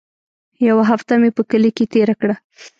يوه هفته مې په کلي کښې تېره کړه.